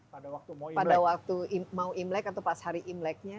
pada waktu mau imrek atau pas hari imreknya